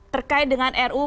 terkait dengan ruhp